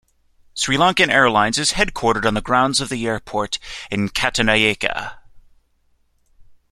SriLankan Airlines is headquartered on the grounds of the airport in Katunayake.